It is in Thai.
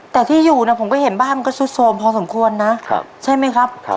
แต่ที่อยู่ผมก็เห็นบ้านมันก็ซุดโทรมพอสมควรนะใช่ไหมครับ